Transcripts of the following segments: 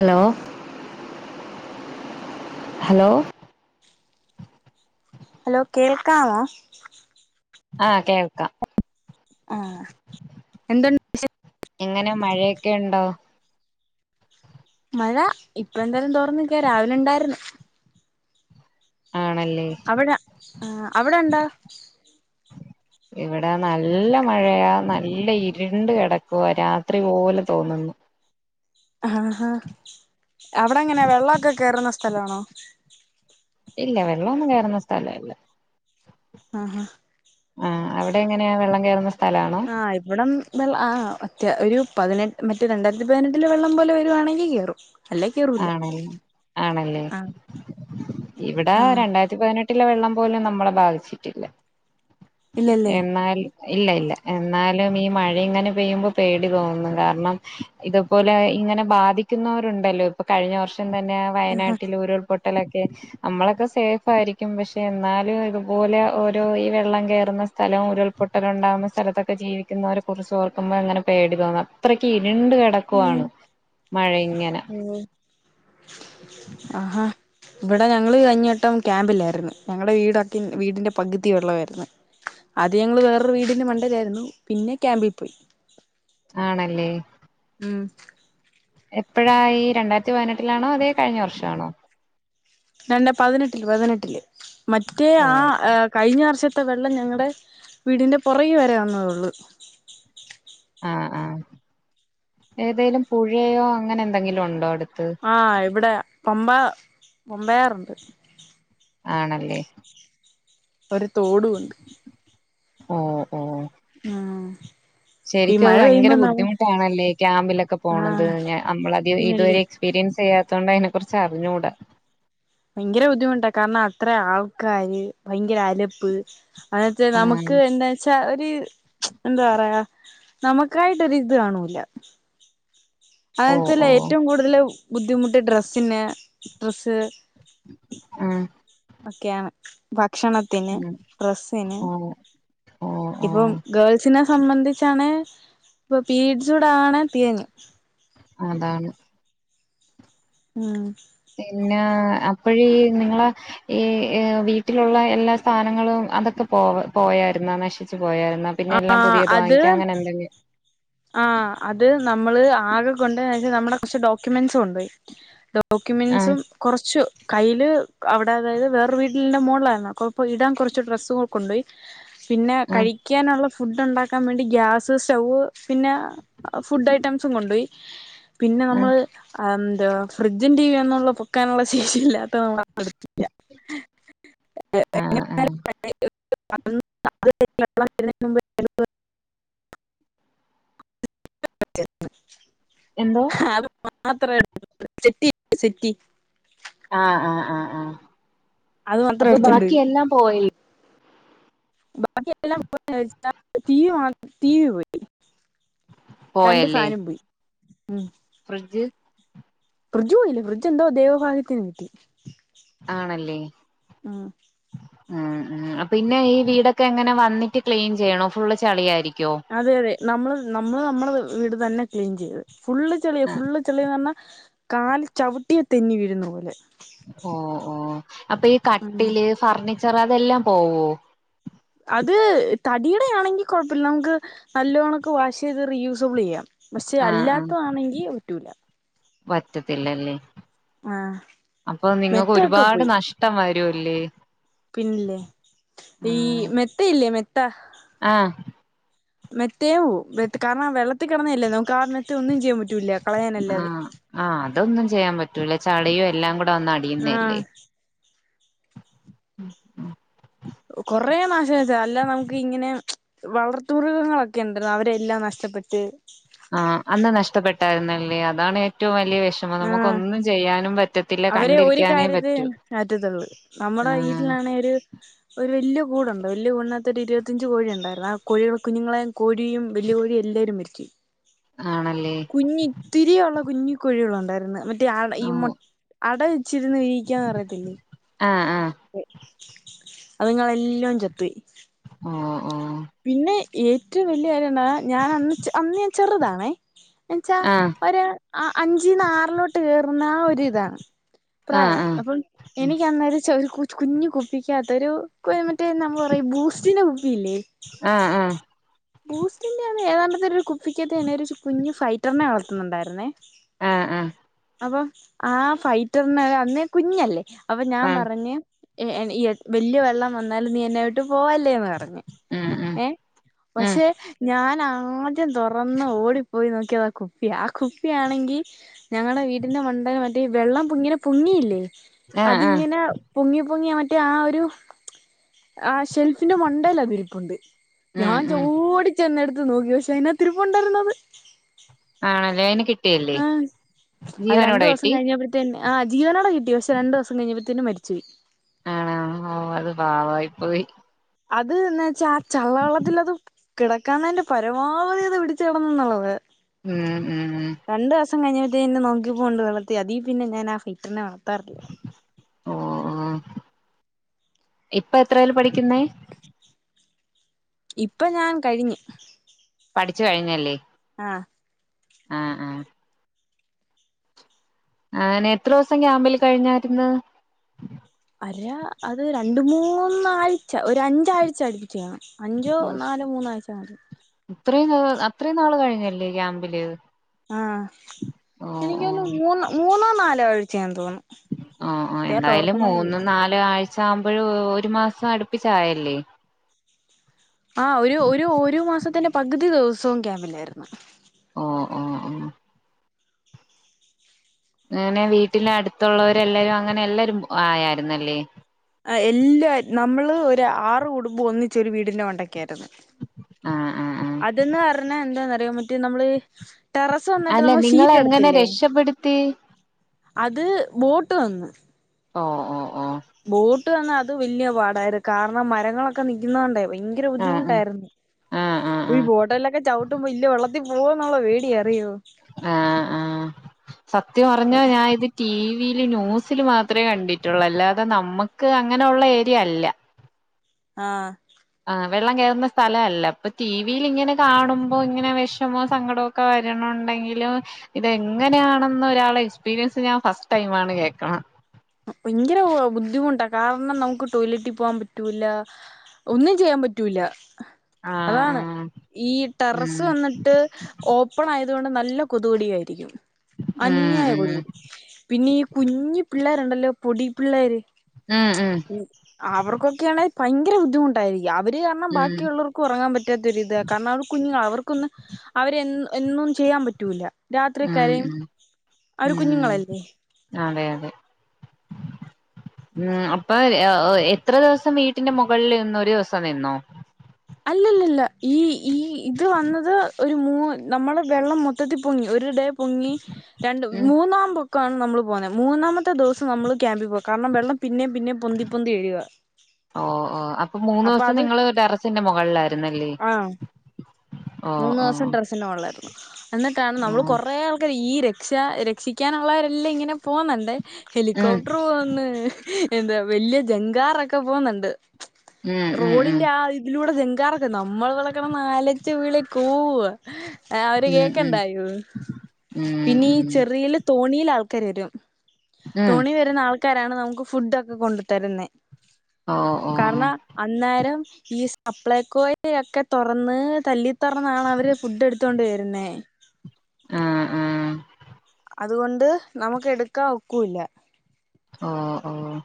hello hello hello കേൾക്കാമോ ആഹ് കേൾക്കാം ആഹ് എന്തൊണ്ട് എങ്ങനെ മഴയൊക്കെ ഒണ്ടോ മഴ ഇപ്പം എന്തായാലും തോർന്നു നിക്കുവാ രാവിലെ ഇണ്ടായിര്ന്ന് ആണല്ലേ അവിടെ ആഹ് അവിടൊണ്ടോ [inaudible] ഇവിടെ നല്ല മഴയാ നല്ല ഇരുണ്ട് കിടക്കുവാ രാത്രി പോലെ തോന്നുന്നു ആഹാ അവിടെ എങ്ങനെ വെള്ളമൊക്കെ കേറുന്ന സ്ഥലമാണോ ഇല്ല വെള്ളം ഒന്നും കേറുന്ന സ്ഥലം ഇല്ല ആഹാ ആഹ് അവിടെ എങ്ങനെയാ വെള്ളം കേറുന്ന സ്ഥലാണോ ആഹ് ഇവിടം വെള്ള് അത്യ ഒരു പതിനെട്ട് മറ്റെ രണ്ടായിരത്തി പതിനെട്ടിലെ വെള്ളം പോലെ വരുവാണെങ്കി കേറും അല്ലേ കേറൂല ആണലെ ആണല്ലേ ആഹ് ഇവിടെ ആഹ് രണ്ടായിരത്തി ത്തി പതിനെട്ടിലെ വെള്ളം പോലും നമ്മളെ ബാധിച്ചിട്ടില്ല ഇല്ലല്ലേ എന്നാൽ ഇല്ല ഇല്ല എന്നാലും ഈ മഴ ഇങ്ങനെ പെയ്യുമ്പം പേടി തോന്നുന്നു കാരണം ഇതുപോലെ ഇങ്ങനെ ബാധിക്കുന്നവരുണ്ടല്ലോ ഇപ്പ കഴിഞ്ഞ വർഷം തന്നെ വയനാട്ടിൽ ഉരുൾപൊട്ട് ട്ടലൊക്കെ നമ്മളൊക്കെ സേഫ്‌ ആയിരിക്കും പക്ഷെ എന്നാലും ഇതുപോലെ ഓരോ ഈ വെള്ളം കേറുന്ന സ് സ്ഥലം ഉരുൾപൊട്ടലൊണ്ടാവുന്ന സ്ഥലത്തൊക്കെ ജീവിക്കുന്നവരെ കുറിച്ച് ഓർക്കുമ്പം അങ്ങനെ പേടി തോന്നാം അത്രയ്ക്ക് ഇരുണ്ട് കെട ഉം ഉം [inaudible] ആഹാ ഇവിടെ ഞങ്ങള് കഴിഞ്ഞവട്ടം ക്യാമ്പിലായിരുന്ന് ഞങ്ങടെ വീടാക്കിൻ വീടിന്റെ പകുതി വെള്ളം ആയിരുന്ന് ആദ്യം ഞങ്ങളു വേറൊരു വീടിന്റെ മണ്ടേലാരുന്നു പിന്നെ ക്യാമ്പിൽ പോയി ആണല്ലേ ഉം എപ്പോഴാ ഈ രണ്ടായിരത്തി പതിനെട്ടിലാണോ അതെ കഴിഞ്ഞ വർഷമാണോ രണ്ട് പതിനെട്ടില് പതിനെട്ടില് മറ്റേ ഓ ആഹ് ഏഹ് കയിഞ്ഞ വർഷത്തെ വെള്ളം ഞങ്ങടെ വീടിന്റെ പൊറകി വരേ വരുന്നുള്ളൂ ആഹ് ആഹ് ഏതേലും പുഴയോ അങ്ങനെന്തെങ്കിലും ഉണ്ടോ അടുത്ത് ആഹ് ഇവിടെ പമ്പ പമ്പയാറുണ്ട് ആണല്ലേ ഒരു തോടും ഉണ്ട് ഓഹ് ഓഹ് ഉം ഈ ശരിക്കും അത് മഴ ഭയങ്കര പെയ്യുമ്പോ നമ്മ ബുദ്ധിമുട്ടാണല്ലേ ക്യാമ്പിലൊക്കെ ആ പോണത് നമ്മളെ ഇതുവരെ പിന്നല്ലേ എക്സ്പീരിയൻസ് ചെയ്യാത്തുകൊണ്ട് അതിനെ കുറിച്ച് അറിഞ്ഞുകൂടാ ഭയങ്കര ബുദ്ധിമുട്ടാ കാരണം അത്ര ആൾക്കാര് ഭയങ്കര അല അങ്ങത്തെ ആഹ് നമുക്ക് എന്താ ഒരു എന്താ പറയാ നമുക്കായിട്ട് ഒരു ഇത് കാണൂല ഓ അതെച്ചാല് ഓ ഏറ്റവും കൂടുതല് ബുദ്ധിമുട്ട് ഡ്രെസ്സിന് ഡ്രസ്സ് ആഹ് ഒക്കെയാണ് ഭക്ഷണത്തിന് ഉം ഡ്രസ്സിന് ഓ ഓ ഓ ഇപ്പം ഗേൾസിനെ സംബന്ധിച്ചാണ് ഇപ്പൊ പീരീഡ്സോട ആണ് തീർന്നു അതാണ് ഉം പിന്നെ അപ്പഴീ നിങ്ങളെ ഈ വീട്ടിലുള്ള എല്ലാ സ്ഥാനങ്ങളും അതൊക്കെ പോ പോയായിരുന്ന നശിച്ചു പോയായിരുന്ന പിന്നെ എല്ലാം ആഹ് പുതിയത് അത് വാങ്ങിക്കാ അങ്ങനെ എന്തെങ്കിലും ആഹ് അത് നമ്മള് ആകെ കൊണ്ട വെച്ചാൽ നമ്മുടെ കുറച്ച് ഡോക്യൂമെന്റ്സ് കൊണ്ട് പോയി ആഹ് ഡോക്യൂുമെൻറ്സും കുറച്ച് കയ്യിൽ അവിടെ അതായത് വേറെ വീട്ടിലിറെ മുകളിലായിരുന്നുപ്പ ഇടാൻ കുറച്ച് ഡ്രസ്സും കൊണ്ടുപോയി പിന്നെ ആഹ് കഴിക്കാനുള്ള ഫുഡ് ഉണ്ടാക്കാൻ വേണ്ടി ഗ്യാസ് സ്റ്റവ് പിന്നെ ഫുഡ് ഐറ്റംസും കൊണ്ടുപോയി പിന്നെ ആഹ് നമ്മള് എന്താ ഫ്രിഡ്ജും ടി വി ഒന്നള്ള പൊക്കാനുള്ള ശേഷി ഇല്ലാത്ത നമ്മൾ എടുത്തില്ല ആഹ് ആഹ് [unintelligible] [unintelligible] [unintelligible] എന്തോ [unintelligible] സെറ്റി ആഹ ആഹ് ആഹ് ആഹ അത് മാത്രം അപ്പൊ എടുത്തോണ്ട് ബാക്കി പോയി എല്ലാം പോയില്ല ബാക്കി എല്ലാം പോയി ടീവി ടീവി പോയി രണ്ട് പോയല്ലേ ഫാനും പോയി ഉം ഫ്രിഡ്ജ് ഫ്രിജ് പോയില്ല ഫ്രിഡ്ജ് എന്ത ദൈവ ഭാഗ്യത്തിന് കിട്ടി ആണല്ലേ ഉം ഉം ഉം പിന്നെ ഈ വീടൊക്കെ എങ്ങനെ വന്നിട്ട് ക്ലീൻ ചെയ്യണോ ഫുള്ള് ചെളിയ ആയിരിക്കോ അതെ അതെ നമ്മൾ നമ്മള് നമ്മൾ വീട് തന്നെ ക്ലീൻ ചെയ്ത് ഫുള്ള് ചെളിയ ആ ഫുള്ള് ചെളിയന്ന് പറഞ്ഞാ കാല് ചവിട്ടിയ തെന്നി വീഴുന്ന പോലെ ഓ ഓ അപ്പൊ ഈ ഉം കട്ടില് ഫർണിച്ചർ അതെല്ലാം പോവോ അത് തടിയുടെയാണെങ്കി കൊഴപ്പമില്ല നമുക്ക് നല്ലവണ്ണക്ക് വാഷ് ചെയ്ത് റീയൂസബിൾ ചെയ്യാം പക്ഷെ ആഹ് ആഹ് അല്ലാത്ത ആണെങ്കിൽ പറ്റൂല്ല പറ്റത്തില്ലല്ലേ ആഹ് അപ്പൊ നിങ്ങക്ക് മെത്തയൊക്കെ ഒരുപാട് നഷ്ടം വരുംല്ലേ പിന്നല്ലേ ഈ ആഹ് മെത്തയില്ലേ മെത്ത ആഹ് മെത്തേ പോവും കാരണം ആ വെള്ളത്തി കിടന്നല്ലേ നമുക്ക് ആ മെത്ത ഒന്നും ചെയ്യാൻ പറ്റൂല്ല കളയാനല്ലാതെ ആഹ് ആഹ് അതൊന്നും ചെയ്യാൻ പറ്റൂല ചളിയും എല്ലാം കൂടെ വന്ന അടി ആഹ് കൊറേ നാശം വിതച്ചാ അല്ലേ നമുക്ക് ഇങ്ങനെ വളർത്തു മൃർഗങ്ങളൊക്കെ ഉണ്ടല്ലോ അവരെല്ലാം നഷ്ടപ്പെട്ട് ആ അന്ന് നഷ്ടപ്പെട്ടായിരുന്നല്ലേ അതാണ് ഏറ്റവും വലിയ വിഷ നമുക്ക് ആഹ് ഒന്നും ചെയ്യാനും പറ്റത്തില്ല അവരെ ഒരു കണ്ടിരിക്കാനേ കാര്യത്തി പറ്റൂ മാറ്റത്തുള്ളൂ നമ്മുടെ ആഹ് വീട്ടിലാണെ ഒരു ഒരു വലിയ കൂടുണ്ട് വലിയ കൂടിനകത്ത് ഒരു ഇരുപത്തി അഞ്ച് കോഴി ഉണ്ടായിരുന്നു ആ കോഴികള കുഞ്ഞുങ്ങളെയക കോഴിയും വലിയ കോഴിയും എല്ലാവരും മരിക്കെ ആണല്ലേ കുഞ്ഞി ഇത്തിരിയുള്ള കുഞ്ഞികോ ഴികൾ ഉണ്ടായിരുന്നു മറ്റേ ആവ ഈ ഓ മൊ അട വച്ചിരുന്ന് വിരിക്കാന്ന് അറിയത്തില്ലേ ആഹ് ആഹ് അത്ങ്ങളെല്ലാം ചത്തു പോയി ആ ആ പിന്നെ ഏറ്റവും വലിയ കാര്യം എന്താന്ന ഞാൻ അന്ന് അന്ന് ഞാൻ ചെറുതാണെ എന്നെച്ചാ ആഹ് ഒര് അഞ്ചിന്ന് ആറിലോട്ട് കേറുന്ന ആ ഒരിതാണ് ആഹ് പ്രായാ ആഹ് അപ്പം ഉം എനക്ക് അന്നേര ഒരു കുഞ്ഞു കുപ്പിക്കാത്ത ഒരു മറ്റേ നമ്മ പറയും ബൂസ്റ്റിന്റെ കുപ്പിയില്ലേ ആഹ് ആഹ് ബൂസ്റ്റിന്റെ ആണ് ഏതാണ്ടത്തെ ഒരു കുപ്പിക്കത്ത്ന്നെ കുഞ്ഞു ഫൈറ്ററിനെ വളർത്തുന്നുണ്ടായിരുന്നേ ആഹ് ആഹ് അപ്പൊ ആ ഫൈറ്ററിന് അന്ന് കുഞ്ഞല്ലേ അപ്പൊ ഞാൻ ആഹ് പറഞ്ഞ് വലിയ വെള്ളം വന്നാലും നീ എന്നെവിട്ട് പോവല്ലേന്ന് പറഞ് ഉം ഉം ഏഹ് ഉം പക്ഷെ ഞാൻ ആദ്യം ആദ്യം തുറന്ന് ഓടിപ്പോയി നോക്കിയത് ആ കുപ്പിയാ ആ കുപ്പിയാണെങ്കിൽ ഞങ്ങളുടെ വീടിന്റെ മണ്ണ്ടലം മറ്റേഈ വെള്ളംങ്ങനെ പൊ ങ്ങിയില്ലേ ആഹ് ആഹ് അതിങ്ങനെ പൊങ്ങി പൊങ്ങിമറ്റേ ആ ഒരു ആ ഷെൽഫിന്റെ മണ്ടേല് അതിരിപ്പുണ്ട് ഉം ഞാൻ ഉം ഓടി ചെന്നെടുത്ത് നോക്കി പക്ഷെ അതിനകത്തിരിപ്പുണ്ടായിരുന്നത് ആണല്ലേ അതിനെ കിട്ടിയല്ലേ ആഹ് ജീവനോടെ കിട്ടി തന്നെ ആ ജീവനോടെ കിട്ടി പക്ഷെ രണ്ട് ദിവസം കഴിഞ്ഞ്പഴത്തേന്ന് മരിച്ചുപോയി ആണോ ഓ അത് പാവായി പോയി അത് എന്ന് വെച്ചാ ആ ചളിവള്ളത്തിൽ അത് കിടക്കാന്നതിന്റെ പരമാവധി അത് പിടിച്ചി കിടന്നുള്ളത് ഉം ഉം രണ്ടു ദിവസം കഴിഞ്ഞപ്പത്തേന്ന നോക്കിപോണ്ട് വള്ളത്തി അതി പിന്നെ ഞാൻ ആ ഫിൽറ്ററിനെ വളർത്താറില്ലാ ഓ ഓ ഇപ്പ എത്രല് പഠിക്കുന്നേ ഇപ്പം ഞാൻ കഴിഞ്ഞു പഠിച്ചു കഴിഞ്ഞല്ലേ ആഹ ആഹ ആഹ ആനെ എത്ര ദിവസം ക്യാമ്പിൽ കഴിഞ്ഞായിര് ന്ന് അല്ല അത് രണ്ട് മൂന്നാഴ്ച ഒരു അഞ്ചാഴ്ച.. അടുപ്പിച്ചു അഞ്ചോ നാലോ മൂന്നാഴ്ച മതി ഇത്രയും അത്രയും നാള് കഴിഞ്ഞല്ലേ ഈ ക്യാമ്പിൽ ആ ഓ എനിക്കൊന്ന് മൂന്നോ മൂന്നോ നാലോ ആഴ്ചയെന്ന് തോന്നും ഓ എന്തായാലും മൂന്ന് നാല് ആഴ്ച ആകുമ്പോഴ ഒരു മാസം അടുപ്പിച്ചായല്ലേ ആ ഒരു ഒരു ഒരു മാസത്തിന്റെ പകുതി ദിവസവും ക്യാമ്പിലായിരുന്നു ഓ ഓ ങ്ങനെ വീട്ടില അടുത്തുള്ളവരെ എല്ലാരും അങ്ങനെ എല്ലാരും ആയായിരുന്നല്ലേ എല്ലാ നമ്മള് ഒരു ആറ് കുടുംബ ഒന്നിച്ച ഒരു വീടിന്റെ മണ്ടക്ക ആയിരുന്നു ആഹ് ആഹ് ആഹ് അതന്ന് പറഞ്ഞാ എന്താന്നറിയോ മറ്റേ നമ്മള് ടെറസ് വന്നിട്ട് അല്ല നമ്മ നിങ്ങളെ ഷീറ്റ് എങ്ങനെ എടുത്തില്ലേ രക്ഷപ്പെടുത്തി അത് ബോട്ട് വന്ന് ഓഹ് ബോട്ട് വ ന്നാൽ അത് വലിയ പാടായിരുന്നു കാരണം മരങ്ങളൊക്കെ നിക്കുന്നോണ്ടേ.. ഭയങ്കര ആഹ് ബുദ്ധിമുട്ടായിരുന്നു ആഹ് ആഹ് ആഹ് ബോട്ടൊലക്കെ ഒട്ടും ഇല്ല വെള്ളത്തിൽ പോകന്നുള്ളോ പേടിയ അറിയോ ആഹ ആഹ സത്യം പറഞ്ഞാ ഞാൻ ഇതി ടി വിൽ ന്യൂസില് മാത്രമേ കണ്ടിട്ടുള്ളൂ അല്ലാതെ നമ്മുക്ക് അങ്ങനെയുള്ള ഏരിയ അല്ല ആഹ് ആ് വെള്ളം കയറുന്ന സ്ഥലംഅല്ല അപ്പൊ ടി വിയിൽ ഇങ്ങനെ കാണുമ്പോ ഇങ്ങനെ വിഷമോ സങ്കടമ ഒക്കെ വരണണ്ടെങ്കിലും ഇത എങ്ങനെയാണെന്ന് ഒരാളെ എക്സ്പീരിയൻസ് ഞാൻ ഫസ്റ്റ് ടൈമാണ് കേൾക്കണത് ഭയങ്കര ബുദ്ധിമുട്ടാ കാരണം നമുക്ക് ടോയ്ലറ്റിൽ പോവാൻ പറ്റൂല ഒന്നും ചെയ്യാൻ പറ്റൂല്ല ആഹ് അതാണ് ആഹ് ഈ ടെറസ് ഉം വന്നിട്ട് ഓപ്പൺ ആയത് കൊണ്ട് നല്ല കൊതുകടിയായിരിക്കും ഉം അന്യായ കൊതുക് ഉം പിന്നെ ഈ കുഞ്ഞി പിള്ളേരുണ്ടല്ലോ പൊടി പിള്ളേര് ഉം ഉം അവർക്കൊക്കെയാണെ ഭയങ്കര ബുദ്ധിമുട്ടായിരിക്കും അവര് കാരണം ഉം ബാക്കിയുള്ളവർക്ക് ഉറങ്ങാൻ പറ്റാത്തൊരു ഇത് കാരണം അവർ കുഞ്ഞുങ്ങൾ അവർക്കൊന്ന് അവര് എന്നും ചെയ്യാൻ പറ്റൂല്ല രാത്രി ഉം കരയും ഉം അവര് ഉം കുഞ്ഞുങ്ങളല്ലേ അതെ അതെ ഉം അപ്പൊ എത്ര ദിവസം വീട്ടിന്റെ മുകളിൽ നിന്ന് ഒരു ദിവസം നിന്നോ അല്ലല്ലല്ല ഈ ഈ ഇത് വന്നത് ഒരു മൂ നമ്മള് വെള്ളം മൊത്തത്തിൽ പൊങ്ങി ഒരു ഡേ പോങ്ങി രണ്ട് ഉം മൂന്നാം പോ ഒക്കാണ് നമ്മൾ പോകുന്നത് മൂന്നാമത്തെ ദിവസം നമ്മൾ ക്യാമ്പിൽ പോക കാരണം വെള്ളം പിന്നേ പിന്നെ പൊന്തി പൊന്തി വരിക ഓ ഓ അപ്പൊ മൂന്ന് ദിവസം നിങ്ങള് ഒരു ടെറസിന്റെ മുകളിലായിരുന്നല്ലേ ആഹ് ഓ മൂന്ന് ഓ ദിവസം ഡെറസിന്റെ മുകളിലായിരുന്നു എന്നിട്ടാണ് ഓ നമ്മള് കുറേ ആൾക്കർ ഈ ര- രക്ഷ രക്ഷിക്കാനുള്ളവരെല്ലാം ഇങ്ങനെ പോകുന്നുണ്ടേ ഉം ഹെലികോപ്റ്റർ പോകുന്ന് എന്താ വലിയ ജംഗാറൊക്കെ പോകുന്നുണ്ട് ഉം ഉം ഉം റോഡിന്റെ ആ- ഇതിലൂടെ ജങ്കാറൊക്കെ നമ്മൾ വിളക്കെ അലച്ചു വിളിച്ചു കൂവ ആ അവര് ഉം ഉം കേൾക്കണ്ടായോ ഉം പിന്നെ ഉം ചെറിയൽ തോണിൽ ആൾക്കാർ വരും ഉം തോണി വരുന്ന ആൾക്കാരാണ് നമുക്ക് ഫുഡ് ഒക്കെ കൊണ്ടു തരുന്നെ ഓ ഓ കാരണം അന്നേരം ഈ- സപ്പ്ളേക്കോയി ഒക്കെ തുറന്ന് തല്ലി തുറന്നാണ് അവര് ഫുഡ് എടുത്തൊണ്ട് വരുന്നേ ആഹ് ആഹ് അതുകൊണ്ട് നമുക്ക് എടുക്കാൻ ഒക്കൂല്ല ഓഹ് ഓഹ്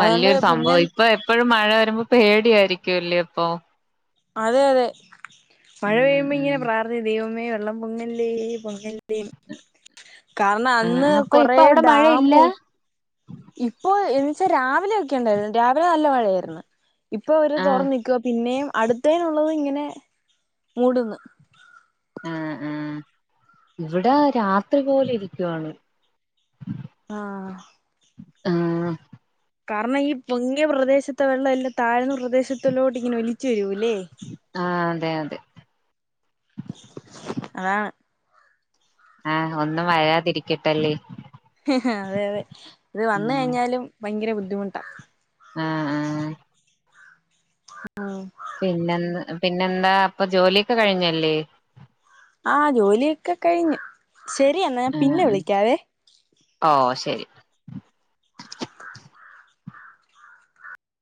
അതുകൊണ്ട് പിന്നെ സംഭവം ഇപ്പൊ എപ്പോഴും മഴ വരുമ്പോ പേടിയായിരിക്കുംല്ലേ ഇപ്പൊ അതെ അതെ മഴ ഉം പെയ്യുമ്പോ ഉം ഇങ്ങനെ പ്ര- അത് ദൈവമേ വെള്ളം പോങ്ങല്ലേ പൊങ്ങല്ലേ കാരണം അന്ന് ആഹ് അപ്പൊ കൊറേ ഇപ്പൊ അവിടെ മഴയില്ല ഡാമ- ഇപ്പൊ എന്ന് വച്ചാ രാവിലെ ഒക്കെണ്ടായിരുന്നു രാവിലെ നല്ല മഴയായിരുന്നു ഇപ്പൊ അവര് ആഹ് തുറ നിൽക്കുവ പിന്നെയും അടുത്തേനുള്ളത് നു ഇങ്ങനെ മൂടുന്നു ആഹ് ആഹ് ഇവിടെ രാത്രി പോലെ ഇരിക്കുവാണ് ആഹ് ആഹ് കാരണം ഈ പൊങ്ങിയ പ്രദേശത്തെ വെള്ളം എല്ലാം താഴ്ന്ന പ്രദേശത്തോട്ട് ഇങ്ങനെ ഒലിച്ചു വരൂല്ലേ ആഹ് അതെ അതെ അതാണ് ആഹ് ഒന്നും വരാതിരിക്കട്ടല്ലേ അതെ അതെ ഇത് വന്ന ഉം കഴിഞ്ഞാലും ഭയങ്കര ബുദ്ധിമുട്ടാണ് ആഹ് ആഹ് ഉം പിന്നെ പിന്നെന്താ അപ്പൊ ജോലിയൊക്കെ കഴിഞ്ഞല്ലേ ആഹ് ജോലിയൊക്കെ കഴിഞ്ഞു ശരിയെന്നാ ഞാൻ പിന്നെ ആഹ് വിളിക്കാവെ ഓഹ് ശരി